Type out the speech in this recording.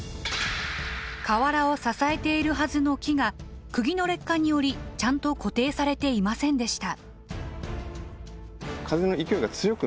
瓦を支えているはずの木がくぎの劣化によりちゃんと固定されていませんでした。